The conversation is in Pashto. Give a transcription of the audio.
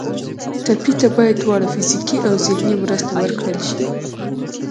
ټپي ته باید دواړه فزیکي او ذهني مرسته ورکړل شي.